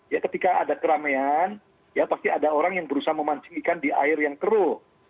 ya ketika ada keramaian ya pasti ada orang yang berusaha memancing ikan di air yang keruh